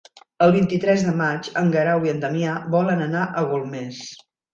El vint-i-tres de maig en Guerau i en Damià volen anar a Golmés.